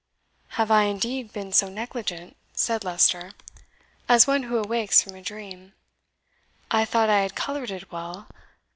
"Have I indeed been so negligent?" said Leicester, as one who awakes from a dream. "I thought I had coloured it well.